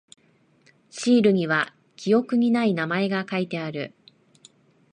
シールには記憶にない名前が書いてある。